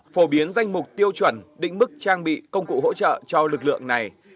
phổ biến danh mục tiêu chuẩn định mức trang bị công cụ hỗ trợ cho lực lượng này